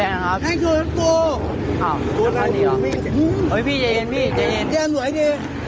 อ้าวตัวนั้นอีกหรออุ้ยพี่เย็นพี่เย็น